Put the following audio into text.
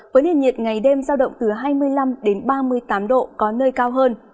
với nền nhiệt ngày đêm giao động từ hai mươi năm đến ba mươi tám độ có nơi cao hơn